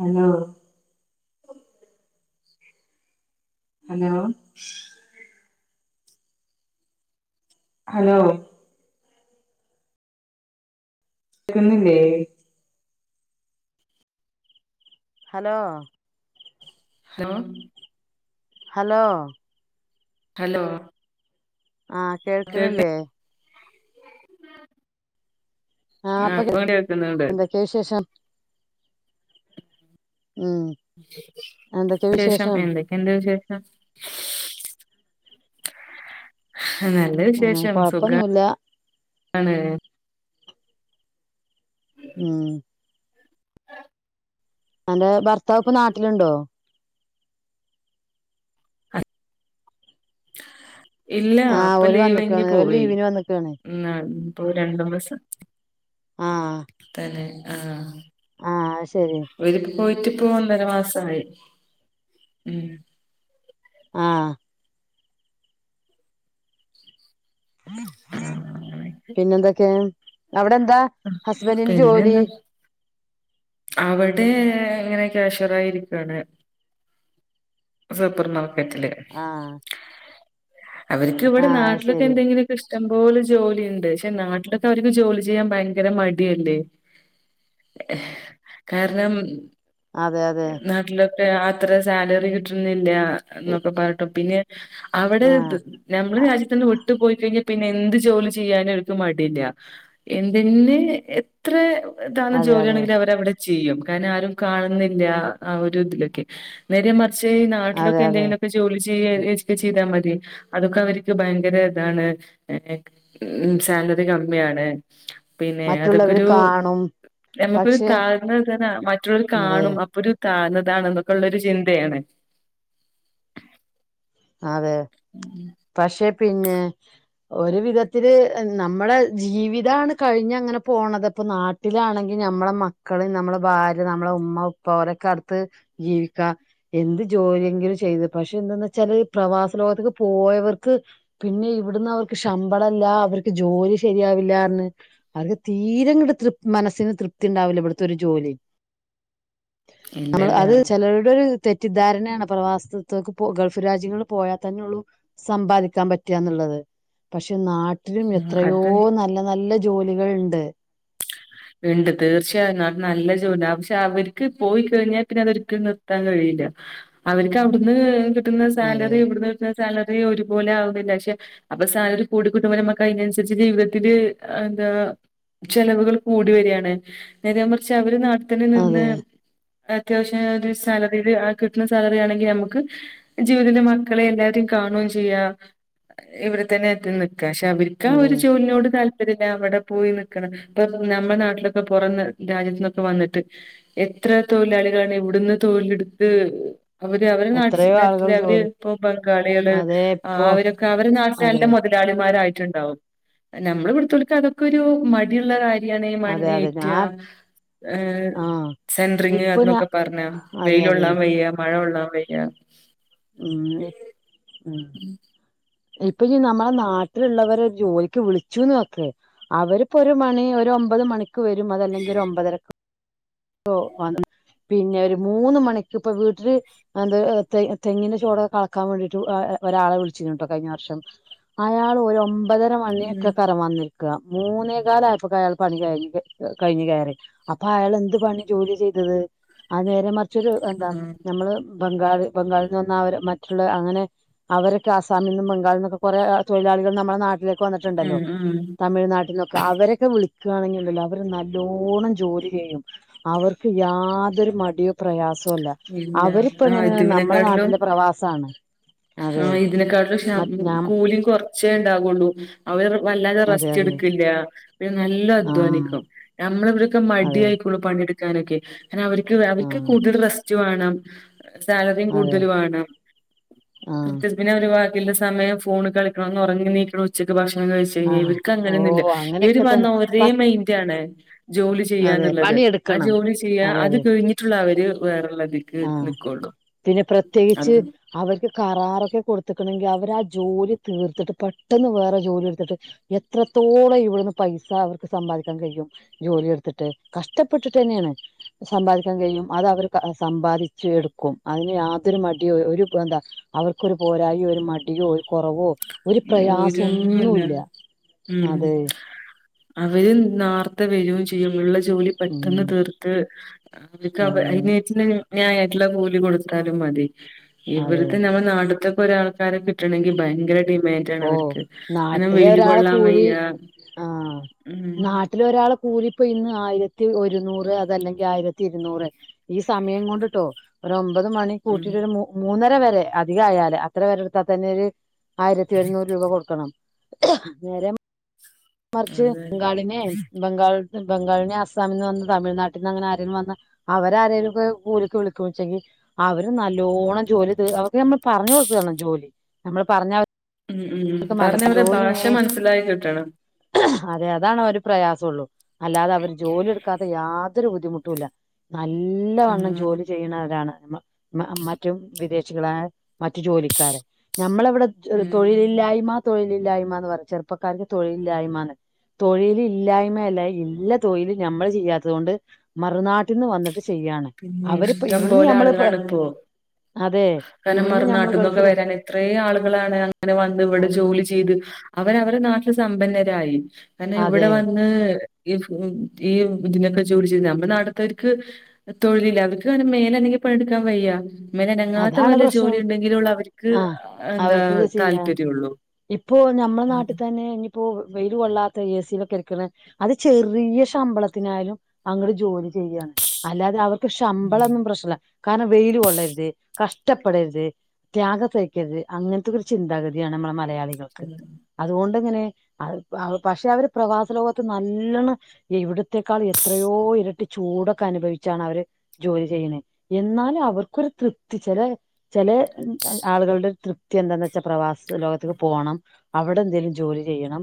Hello hello hello ഇുന്നില്ലേ hello ഹ hello hello ആഹ കേക്ക് കേൾക്കണില്ലേ ആഹ് ആ അപ്പൊ കേ ഇപ്പൊ കേൾക്കുന്നുണ്ട് എന്തൊക്കെയ വിശേഷം ഉം എന്തൊക്കെ ശേഷം വിശേഷം എന്തൊക്കെയ എന്താച്ച ആ ആ നല്ല ഉം വിശേഷം കൊഴപ്പൊന്നുല്ല സുഖംാണ് ആഹ [unintelligible] എന്റെ ഭർത്താവപ്പ് നാട്ടിലുണ്ടോ ഇല്ല ആ ഇപ്പൊ ഓല് ലീവ്ി വന്ന്ക്കാണ് ഓല് പോവി ലീവിന് വന്ന്ക്കാണ് ഉ അപ്പൊ രണ്ടു മാസം തന്നെ ആഹ ആഹ ശരി പോയിട്ടിപ്പോ ഒന്നര മാസമായി ഉ ആഹ ആ അങ്ങനെയൊക്കെ പിന്നെ എന്തൊക്കെ അവിടെ എന്താ ഹസ്ബൻറിിന്റെ ജോലി പിന്നെന്താ അവിടെ എങ്ങനെൊക്കെഷറായിരിക്കയാണ് സൂപ്പർ നാൽക്കറ്റില്േ ആ അവർക്ക് ആ ഇവിടെ നാട്ടിലൊെ ശരി എന്തെങ്കിലൊക്കെ ഇ ഇഷ്ടംപോലെ ജോലി ഉണ്ട് പക്ഷെ നാട്ടിലൊക്കെ അവർക്ക് ജോലി ചെയ്യാൻ ഭയങ്കര മടിയല്ലേ കാരണം അതെ അതെ നാട്ടിലൊക്കെ അത്ര സാലറി കിട്ടുന്നില്ല എന്നൊക്കെ പറഞ്ഞട്ടോ പിന്നെ അവിടെ ആ നഞമ്മള് രാജ്യത്തന്നെ ഒട്ടു പോയി കഴിഞ്ഞ പിന്നെ എന്ത് ജോലി ചെയ്യാനും അവക്ക് മടിയില്ല എന്തിന് എത്ര എതാന അതെ അതെ ജോലിയാണെങ്കിൽ അവ അവിടെ ചെയ്യും കാരണം ആരും കാണുന്നില്ല ആ ഒരു ഇതിലൊക്കെ നേരെ പക്ഷേ അതെ നട്ടിലക്കെ അതെ എന്തെങ്കിലുമക്കെ ജോലി ചെയെ ചെയ്താ മറ്റതി അതൊക്കെ അവക്ക് ഭയങ്കര ഇതാണ് ഉ സാലറി കമ്മിയാണ് പിന്നെ മറ്റുള്ളവര് അതൊക്കൊരു കാണും നമുക്കൊരു പക്ഷെ താഴ്ന്ന തന്നെ മറ്റുള്ളവർ അതെ കാണും അപ്പൊ ഒരു തുന്നതാണെന്നൊക്കെ ഉള്ളൊരു ചിന്തയാണ് അതെ ഉം പക്ഷെ പിന്നെ ഒരു വിധത്തില് നമ്മുടെ ജീവിതാണ് കഴിഞ്ഞ അങ്ങനെ പോണത് ഇപ്പൊ നാട്ടിലാണെങ്കിൽ നമ്മ മക്കള നമ്മ ഭാര് നമ്മ ഉമ്മ ഉപ്പരക്കെ ജീവിക്ക െങ്കിലും ചെയ്ത് പക്ഷെ എന്ത ചില പ്രവാസ ലോകത്തേക്ക പോയവർക്ക് പിന്നെ ഇവിടന്ന് അവർക്ക് ശമ്പളമല്ല അവർക്ക് ജോലി ശരിയാവില്ലാരന്ന് അവർക്ക് തീരെ ക തൃ് മനസ്സിന് തൃപ്തി ഉണ്ടാവില്ല ഇവിടുത്തെ ഒരു ജോലി നമ്മൾ ഇല്ലല്ല അത് ചിലരുടെ ഒരു തെറ്റിദ്ധാരണയാണ് പ്രവാസത്തക്ക് ഗൾഫ് രാജ്യങ്ങൾ പോയാൽ തന്നെ ഉള്ളൂ സമ്പാദിക്കാൻ പറ്റാന്നുള്ളത് പക്ഷെ പക്ഷ നാട്ടിലും എത്രയോ അത് നല്ല നല്ല ജോലികൾ ഉണ്ട് ഉണ്ട് തീർച്ചയായും ന നല്ല ജോല പക്ഷെ അവർക്ക് പോയി കഴിഞ്ഞാൽ പിന്നെ അതൊരിക്കലും നിർത്താൻ കഴിയും അവർക്ക്വിടുന്ന് കിട്ടുന്ന അതെ സാലറി ഇവിന്ന് ക സാലറി ഒരുപോലെ ആവുന്നില്ല പക്ഷെ അപ്പൊ സാലറി കൂടിക്കൂട്ടും്പര നമക്ക അതിനനുസരിച്ച് ജീവിതത്തില്ൽ ചെലവുകൾ കൂടി വരിയാണ് നേത മറിച്ച് അവര് നാട്ടത്തിെ അതെ നിന്ന് അത്യാവശ്യം ഒരു സാലറിയിയില് കിട്ടുന്ന സാലറി ആണെങ്കിൽ നമുക്ക് ജീവിതത്തിന്റെ മക്കളെ എല്ലാവരും കാണയും ചെയ്യ ഇവിടെ തന്നെ എത്തുന്നു പക്ഷെ അവർക്ക് ആ അതെ ഒരു ജോലിനോട് താല്പര്യമില്ല അവിടെ പോയി നക്കണം ഇ നമ്മുടെ നാട്ടിലൊക്കെറ രാജ്യത്ത്ന്നൊക്കെ വന്നിട്ട് എത്ര തൊഴിലാളികളാണ് ഇവിടുന്ന് തൊഴ എടുത്ത് അവര് അവര് എത്രയോ ആളുകൾ നാട്ട അവര് ജോലി ഇപ്പോൊ ബംഗാളികള് അതെ ഇപ്പോ അവരൊക്കെ അവര് നാട്ടില നല്ല അതെ മുത ളരട്ടുണ്ടാവും നമ്മ ഇടു അതൊക്കെ മ ബിരിയാണ അതെ മണ് അതെ ഏറ്റിയ ഞാൻ ഏ ആ സെൻറിങ്ങ് ഇപ്പൊ ഞാ അതൊക്കെ പറഞ്ഞ അതെ അതെ വെയിലള്ളാൻ പെയ്യാ മഴൊള്ളാൻ പെയയ്യ ഉം ഉ ഇപ്പൊ നമ്മളെ നാട്ടിലുള്ളവര് ജോലിക്ക് വിളിച്ചുന്ന് കേക്ക് അവരിപ്പോ ഒരു മണി ഒരു ഒമ്പത് മണി വരുംഅത് അല്ലകിൽ ഒരു ഒമ്പതര- [unintelligible] ഓ വ പിന്നെ ഒരു മൂന്ന് മണിക്ക് ഇപ്പ വീട്ടില് എന്ത [unintelligible] തെങ്ങിന്റെ ചോടൊക്കെ കളക്കാൻ വേണ്ടിട്ട് ഒരാളെ വിളിച്ചിട്ടുണ്ടോ കഴിഞ്ഞ വർഷം അയാൾ ഒരു ര ഉം മണ്ണിയൊക്കെക്കാരം വന്നിര്ക്ക മൂന്നേകാലായപ്പോക്കയാള് പണി കയ് കയ്ഞ് കേറി അപ്പൊ അയാള് എന്ത് പണി ജോലി ചെയ്തത് ആ നേരെ മറി റച്ചൊരു എന്താ ഉം ഞമ്മള് ബംഗാൾ ബംഗാള ന്ന് വെന്ന അവരെ മറ്റുള്ള അങ്ങനെ അവരൊക്കെ ആസാമിൽന്നും ബംഗാളിൽന്നൊക്കെ കൊറെ തൊയിലാളികൾ നമ്മുടെ നാട്ട ലേക്ക് വന്ന്ട്ട്ണ്ടല്ലോ ഉം ഉം തമിഴ്നാട്ട്ന്നൊക്കെ അവരൊക്കെ വിളി ക്കാണെങ്കിണ്ടല്ലോ അവര് നല്ലോണം ജോലി ചെയ്യും അവർക്ക് യാതൊരു മടിയോ പ്രയാസ സൊല്ല ഇല്ല ആ അവരിപ്പെങ്ങനെ നമ്മളെ ഇതിനെക്കാട്ടിലും നാട്ടിലെ പ്രവാസാണ് ആ അതെ ഇതിനെക്കാട്ടുംക്ഷ മറ്റ്നാം കൂലി കൊർച്ചേണ്ടാവൊള്ളൂ അവര് വെല്ലാതെ അതെ റെസ്റ്റ് അതെ ട്ക്ക ല്ല പിന്നെ നല്ലോം ആഹ് അധ്വാനിക്കും ഞമ്മളവിടൊക്കെ മടി അതെ ആയിക്കുണു പണിട്ക്കാനൊക്കെ അവര്ക്ക് അവര്ക്ക് ആഹ് കൂടുതൽ റെസ്റ്റ് വാണം സാലറിം അതെ കൂടുതൽ വാണം ആഹ് കൃത്യത്തി അവ ല്ല സമയം ഫോണ് കളിക്കണംന്ന് ഒറങ്ങി നീക്കണം ഉച്ചക്ക് ഭഷ് ണം കയ്ച്ചയ്ഞ ആഹ് ഇവർക്ക് ഓ അങ്ങനൊന്നുല്ല ഇവർ അങ്ങനെയൊക്കെ തന്നെ വന്ന ഒരേ പ മൈന്റാണ് ജോലി അതെ ചെയ്യാന്ന്ള്ളത് ആ പണിയെടുക്കണം ജോലി ചെയ്യാ അത് കഴിഞ്ഞിട്ടുള്ള അവര് വേറെ ആ പിന്നെ പ്രത്യേകിച്ച് അത് അവർക്ക് കറാറൊക്കെ കൊടുത്ത്ക്ക്ണെങ്കി അ വരാ ജോലി തീർത്തിട്ട് പെട്ടെന്ന് വേറെ ജോലി ട്ത്ത്ട്ട് എത്രത്തോളം ഇവിടുന്ന് പൈസ അവർ സമ്പാദിക്കാൻ കയ്യും ജോലി ട്ത്ത്ട്ട് കഷ്ടപ്പെട്ട്ട്ടെന്നെണ് സമ്പാദിക്കാൻ കയ്യും അതവര് സമ്പാദിച്ചെട്ക്കും അതിന് യാതൊരു മടിയോ ഒരു എന്താ അവർക്കൊരു പോരായോ ഒരു മടിയോ രു കൊറവോ ഒരു ഒന്നുല്ല ഉം അതെ അവര് നാർ ത്ത വെരും ചെയ്യും ള്ള ജോലി പെട്ടെന്ന് തീർത്ത് ഉം [unintelligible] ള്ള കൂലി കൊടുത്താലും മതി അതെ ഇവര്ത് നമ്മ നാട് ഇതൊക്കെ ആൾക്കാരെ കിട്ടണെങ്ക ഭയങ്കര ഡി ഓ മാന്റാണവര്ക്ക് ണം വെയില് കൊള്ളാൻ വെയ്യ ആഹ്‌ നാട്ടിലെ ഒരാളെ കൂലി ഇപ്പൊ ഇന്ന് ആയിരത്തി ഒരനൂറ് അതല്ലെങ്കിൽ ആയിരത്തി ഇരുന്നൂറ് ഈ സമയം കൊണ്ടിട്ടോ ഒരു അമ്പതു മണി ഉം കൂട്ടിട്ട് മൂന്നര വരെ അധികം ആയാലേ അത്ര വരെ എടുത്താൽ തന്നെ രു ത്തി എഴുന്നൂറ് രൂപ കൊടുക്കണം അന്നേരം മറിച്ച് അതെ ബംഗാളിനെ ബംഗാൾ ബംഗാളിനെ അസാമ നിന്ന് വന്ന തമിഴ്നാട്ടിൽ നിന്ന്ങ്ങനെ ആരേലും വന്നാ അവരെ ആരേലും ഒക്കെ കൂലിക്ക് വിളിക്കോച്ചെയ് അവരെ നല്ലോണം ജോലി ത അവർക്ക് നമ്മളെ പറഞ്ഞ കൊടുക്കണം ജോലി നമ്മളെ പറഞ്ഞാ ഉം ഉം പറഞ്ഞവടെ ഭാഷ മനസ്സിലായി കിട്ടണം. അതെ അതാണ് അവ ഒരു പ്രയാസള്ളൂ അല്ലാതെ അവരെ ജോലിയെടുക്കാത്ത യാതൊരു ബുദ്ധിമുട്ടുല്ല ഉം നല്ലവണ്ണം ജോലി ചെയ്യണവരാണ് മറ്റു വിദേശികളായ മറ്റു ജോലിക്കാരെ നമ്മളെ ഇവിടെ ഉം തൊഴിലില്ലായ്മ തൊഴിലില്ലായ്മ എന്ന് പറ ചെറുപ്പക്കാറെക്ക് തൊഴിലില്ലായ്മന്ന് തൊഴിൽ ഇല്ലായ്മയല്ല ഇല്ല തൊഴില ഞമ്മള് ചെയ്യാത്തത് കൊണ്ട് മറുനാട്ടിന്ന് വന്നിട്ട് ചെയ്യാണ് പിന്നെ അവരിപ്പ ഇഷ്ടം ഇവിടുന്ന് പോലെ നമ്മളിപോ ആളുകളാണ് ഇപ്പോ കാരണം മറുനാട്ടിൽന്നൊക്കെ വരാൻ എത്ര ആളുകളാണ് അങ്ങനെ വന്നു ഇവിടെ ജോലി ചെയ്തു അവൻ എവിടുന്നാ സമ്പന്നരായി തന്നെ അതെ ഇവിടെ വന്ന് [unintelligible] ജോലി ചെയ് നമ്മളെ നടിത്തവർക്ക് തൊഴിലില്ല അവർക്ക് മേൽ അനങ്ങി പണിയെടുക്കാൻ വയ്യാ മേൽ അനങ്ങാത്ത അതാണ് വല്ലോം ജോലി പ്രശ്നം ഉണ്ടെങ്കിലുള്ള അവർക്ക് ആ എന്താ അവർക്ക് ചെയ്യാ താല്പര്യള്ളൂ ഇപ്പോ നമ്മെ ഉം നാട്ടിൽ തന്നെ ഇപ്പോ വെയില് കൊള്ളാത്ത എ സിയിലൊക്കെ എട്ക്ണെ അത് ചെറിയ ശമ്പളത്തിനായാലും അങ്ങുടെ ജോലി ചെയ്യണ് അല്ലാതെ അവർക്ക് ഉം ശമ്പളൊന്നും പ്രശ്നല്ല കാരണം വെയില് കൊള്ളരുത് കഷ്ടപ്പെടരുത് ത്യാഗ സയ്ക്കരുത് അങ്ങനത്തെക്ക ഒരു ചിന്താഗതിയാണ് നമ്മളെ മലയാള കൾക് അതുകൊണ്ട് പ ങ്ങെനെ അവര് അവ പക്ഷെ അവര് പ്രവാസലോകത്ത് നല്ലണം ഇവിടത്തെക്കാൾ എത്രയോ ഇരുട്ടി ചൂടൊക്കെ അനുഭവിച്ചാണ് അവര് ജോലി ചെയ്യണ എന്നാലും അവർക്കൊരു തൃപ ത്തി ചെലെ ചേലെ ആളുകളുടെ തൃപ്തി എന്താന്ന് വെച്ചാൽ പ്രവാസ ലോകത്തേക്ക് പോകണം അവിടെ എന്തെേലും ജോലി ചെയ്യണം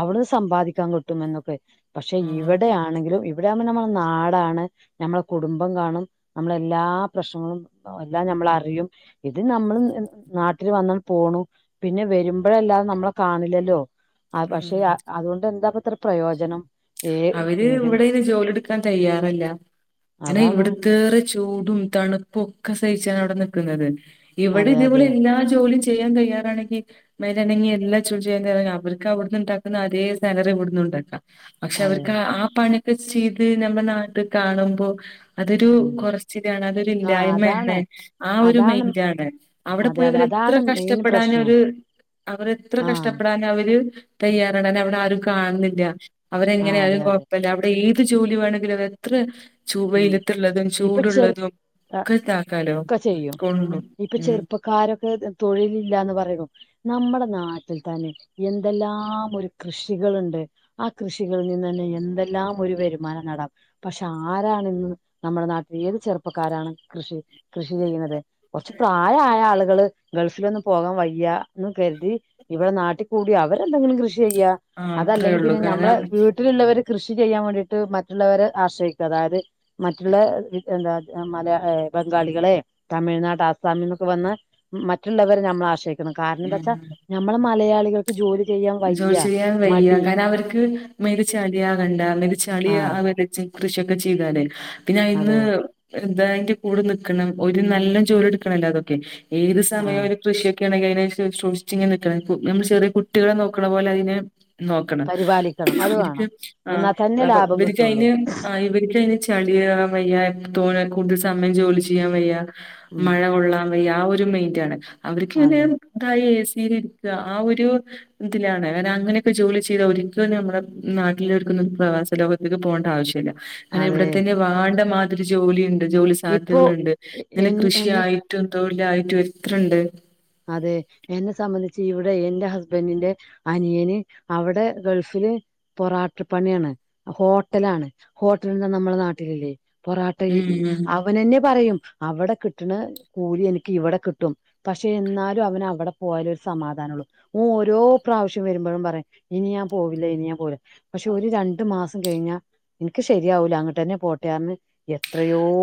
അവിടുന്ന് സമ്പാദിക്കാൻ കിട്ടും എന്നൊക്കെ പക്ഷെ ആ ഇവിടെയാണെങ്കിലും എവിടെആ ഉ മ്പോ നമ്മള നാടാണ് നമ്മളെ കുടുംബം കാണും നമ്മള എല്ലാ പ്രശ്നങ്ങളും എല്ല നമ്മള അറിയും ഇത് നമ്മൾ നാട്ടിൽ വന്നാൽ പോണു പിന്നെ വരുമ്പോഴ അല്ലാതെ നമ്മള കാണില്ലല്ലോ ആ പക്ഷെ ഉം. അതുകൊണ്ട് എന്താപ്പത്ര പ്രയോജനം ഏ ഏക തെയ്യാറല്ല അനെ ഇവട്ത്തേറെ ചൂടും തണുപ്പും ഒക്കെ സഹ ചാണ് നിക്കുന്നത് വിടെ നുന്നത് ഇവിടെ അതെ ഇതേപൊലെ അതെ എല്ല ജോലി ചെയ്യാൻ തയ്യാറാണെങ്കി മേലനങ്ങി ണ്ടെി എല്ലാം ചൂൽ ചെയ്യാൻ തെയർ അവ കവിട്ന്ന്ണ്ടാക്കുന്ന അതേ സാലറി ഇവിടുന്നുണ്ടാക്കാം പക്ഷെ അതെ അവർക്ക് ആ പണി കെ ചെയി്ത് നമ്മ നാട്ടിൽ കാണുമ്പോ അതൊരു ഉം കുറച്ച്താണ് അതൊരു ആ ഇല്ലായ്മയാണ് അതാണ് ആ ഒരു അതാണ് മെൻറാണ് അവിടെ അതെ അതെ പോയവര് എത്ര അതാണ് മെയിൻ കഷ്ടപ്പെടാന പ്രശ്നം ഒരു അവര് എത്ര ആഹ് കഷ്ടപ്പെടാന അവര് തയ്യാറടൻ അവിടെ ആരും കാണുന്നില്ല അവരെങ്ങനെ ആഹ് ആരും അതെ അതെ കുഴപ്പല്ല അവിടെഈ ത് ജോലി വേണെങ്കിൽ വെത്രെ ചൂ വെയിലത്തുള്ളതും ചൂടുള്ളതും ആ ഒക്കെ ഇതാക്കാലോ ക്കെ ചെയ്യും കൊള്ളും ഇപ്പൊ ഉം ചെറുപ്പക്കാരൊക്കെ തൊഴില ഇില്ലാന്ന് പറയൂ നമ്മുടെ നാട് ത്തിൽ തന്നെ എന്തെല്ലാം ഒരു കൃഷികൾണ്ട് ആ കൃഷികളിൽ നിന്ന് തന്നെ എന്തെല്ലാം ഒരു ഒരു വരുമാനം നെടാം പക്ഷെ ആരണ ഇന്ന് നമ്മുടെ നാട്ടിലിൽ ഏത് ചെറുപ്പക്കാരാണ് കൃഷി കൃഷി ചെയ്യുന്നത് കൊറച്ച് പ്രായമായ ആളുകള് ഗൾഫിലൊന്ന് പോകാൻ വയ്യ എന്ന് കരുതി ഇവിടെ നാട്ടിൽ കൂടി അവരെന്തെങ്കിലും കൃഷി ചെയ്യ ആ അത്രേ അതല്ലെങ്കിൽ ഉള്ളൂ പിന്നെ നമ്മളെ കാരണം വീട്ടിലുള്ളവർ കൃഷി ചെയ്യാൻ വേണ്ടിട്ട് മറ്റുള്ളവരെ ആശ്രയിക്കും അതായത് മറ്റുള്ളന്ത മല ബംഗാളികളെ തമിഴ്നാട് ആസാമ വന്ന് മറ്റുള്ളവരെ നമ്മൾ ആശ്രയിക്കണം കാരണം എന്താ വച്ചാ ഉം നമ്മള മലയാളികൾക്ക് ജോലി ചെയ്യാൻ വയ്യ ജോലി ചെയ്യാൻ വയ്യാ മടി കാരണം അവർക്ക് മികച്ചളിയാ കണ്ട മികച്ചളിയ ആഹ് കൃഷിയൊക്കെ ചെയ്താലേ പിന്നെ ഇന്ന് അതെ ന്തായ്ന്റെ കൂടെ നിക്കണം ഒരു നല്ല ജോലി എടുക്കണല്ലോ അതൊക്കെ ഏത് സമയം ആഹ് ഒരു കൃഷിയ കാണെങ്കി അയിനെശെ ഷുശിച്ച് ങ്ങനെ നമ്മ ചെറിയ കുട്ടികളെ നോക്കണ പോലെ അയിനെ നോക്കണം പരിപാലിക്കണം അത് ഇവർക്ക് വേണം ആ എന്നാ തന്നെ ലാഭം കിട്ടുള്ളൂ ഇവർക്ക്തിന് ഇവർക്ക് അതിന് ചെളിയ വയ്യ തോ കൂടുതൽ സമയം ജോലി ചെയ്യാൻ വയ്യ ഉം മഴ കൊള്ളാൻ വയ്യ ആ ഒരു മെയിന്റ ആാണ് അവർക്ക് ഇങ്ങനെ അതെ ഇതായി എസ്സീര്യൻ ത ആ ഒരു ഇതിലാണ് കാരണം അങ്ങനെയൊക്കെ ജോലി ചെയ്ത ഒരിക്കലും നമ്മുടെ നാട്ടിലൊ രുക്കുന്ന പ്രവാസ ലോകത്തേക്ക് പോകേണ്ട ആവശ്യല്ല അതായ അതെ ഇവിടെത്തന്നെ വാണ്ട മാതിരി ജോലി ണ്ട് ജോലി ഇപ്പോ സാധ്യതകളുണ്ട് ഇങ്ങനെ എൻ എന്നെ കൃഷിയായിട്ടും തൊഴിലായിട്ടും എത്രണ്ട് അതെ എന്നെ സംബന്ധിച്ച് ഇവിടെ എറെ ഹസ്ബൻഡിന്റെ അനിയന് അവിടെ ഗൾഫിൽ ഉം പൊറാട്ടപ്പണിയാണ് ഹോട്ടലാണ് ഹോട്ടൽ എന്താ നമ്മളുടെ നാട്ടിലില്ലേ പൊറോട്ട ഇ ഉം അവനെന്നെ പറയും അവിടെ കിട്ടണ കൂലി എനിക്ക് ഇവിടെ കിട്ടും പക്ഷ ക്ഷെ എന്നാലും അവൻ അവിടെ പോയാല ഒരു സമാധാനള്ളൂ ഓ ഓരോ പ്രാവശ്യം വരുമ്പോഴും പറയാം ഇനി ഞാൻ പോവില്ല ഇനിയാ പോലെ പക്ഷെ ഒരു രണ്ടു മാസം കഴിഞ്ഞാ എനിക്ക് ശരിയാവൂല അങ്ങോട്ട് തന്നെ പോട്ടെറിന്ന്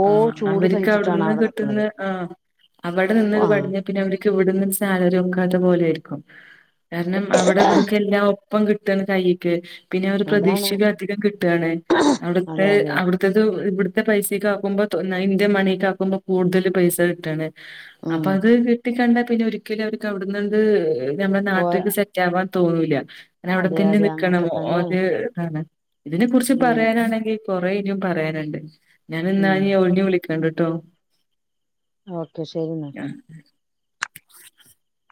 ആ അവർക്ക് അവിടെന്ന് അവിടെ കിട്ടുന്ന നിക്കണത് ആ് അവിടെ നിന്ന് ആ പഠഞ്ഞ പിന്നെ അവർ ഇവിടന്ന്ാലക്കാത്ത പോലെ ആയിരിക്കും കാരണം അവിടെ ഇവർക്ക എല്ലാം ഇപ്പം കിട്ടന്ന് കയ്ക്ക് പിന്നെ ഒരു അതാണ് പ്രതീക്ഷയില അധികം കിട്ടുകാണ് അവിടുത്തെ അതെ അതെ അവിടുത്തത് ഇ ഇത്തെ പൈസക്ക ആക്കുമ്പോ ഇന്ത്യ മണിക്ക് ആക്കുമ്പോ കൂടുതൽ പൈസ കിട്ടാണ് ഉം അപ്പൊ അത് കുട്ടി കണ്ടാ പിന്നെ ഒരിക്കലും അവർക്ക് അവിടന്ന് നമ്മുടെ പോ നാട്ടിലേക്ക് സെറ്റ്ാവാൻ തോന്നൂില്ല അെ അവിടെ അതെ തന്നെ അതെ നിക്കണം അങ്ങനൊക്കെ തന്നെ ഒരു ഇതാണ് ഇതിനെ കുുറിച്ച് ഉം പറയാനാണെങ്കിൽ കൊറെേ ഇനം പറയാനുണ്ട് ഞാന ഇന്നാ ഉം ഒഴിു വിളിക്ക കണ്ടിട്ടോ ഓക്കെ ശരിെന്നാ [unintelligible]